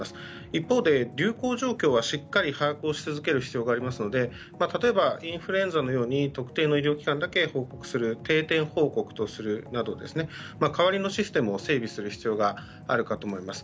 一方で流行状況はしっかり把握をし続ける必要はありますので例えば、インフルエンザのように特定の医療機関だけ報告する定点報告とするなど代わりのシステムを整備する必要があるかと思います。